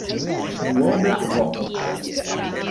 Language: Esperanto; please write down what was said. duobla v